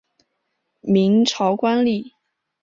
明朝官吏。